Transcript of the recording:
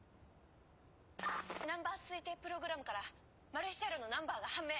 ナンバー推定プログラムからマルヒ車両のナンバーが判明。